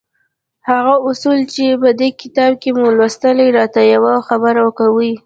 هغه اصول چې په دې کتاب کې مو ولوستل را ته يوه خبره کوي.